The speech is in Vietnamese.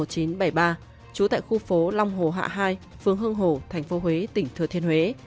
trú tại khu phố long hồ hạ hai phương hương hồ tp huế tỉnh thừa thiên huế